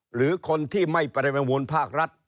หรือคนที่ไม่ประมูลภาครัฐ